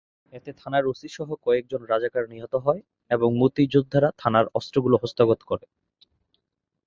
এতে থানার ওসিসহ কয়েকজন রাজাকার নিহত হয় এবং মুক্তিযোদ্ধারা থানার অস্ত্রগুলো হস্তগত করে।